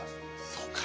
そうか。